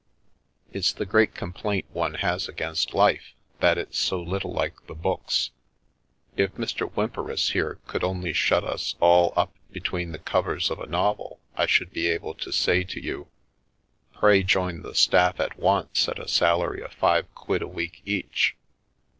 It's the great complaint one has against life, that it's so little like the books. If Mr. Whymperis here could only shut us all up between the covers of a novel I should be able to say to you, ' Pray join the staff at once at a salary of five quid a week each.'